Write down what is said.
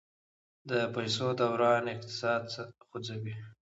د پیسو دوران اقتصاد خوځوي.